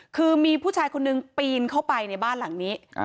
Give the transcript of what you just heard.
คือมีผู้ชายคนนึงปีนเข้าไปในบ้านหลังนี้